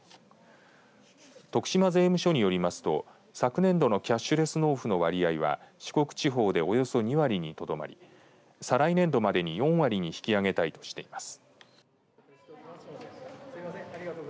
徳島税務署によりますと昨年度のキャッシュレス納付の割合は四国地方でおよそ２割にとどまり再来年度までに４割に引き上げたいとしています。